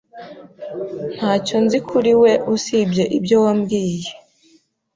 Ntacyo nzi kuri we usibye ibyo wambwiye.